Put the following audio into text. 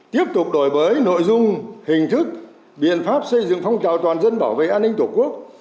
tiếp tục đổi mới nội dung hình thức biện pháp xây dựng phong trào toàn dân bảo vệ an ninh tổ quốc